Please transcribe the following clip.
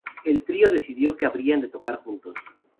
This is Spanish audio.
El trío decidió que habrían de tocar juntos.